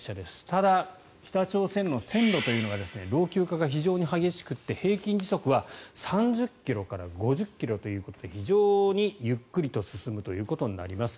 ただ、北朝鮮の線路というのが老朽化が非常に激しくて平均時速は３０ｋｍから５０ｋｍということで非常にゆっくりと進むということになります。